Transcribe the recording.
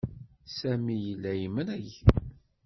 Sami yella yemreg.